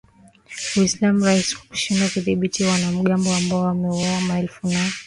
Walimlaumu Rais kwa kushindwa kudhibiti wanamgambo ambao wameua maelfu na kuwalazimisha watu milioni mbili kukimbia makazi